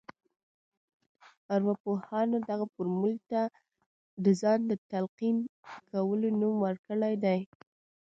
ارواپوهانو دغه فورمول ته د ځان ته د تلقين کولو نوم ورکړی دی.